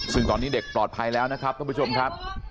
ซึ่งตอนนี้เด็กปลอดภัยแล้วนะครับท่านผู้ชมครับ